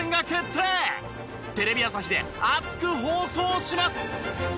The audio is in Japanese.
テレビ朝日で熱く放送します！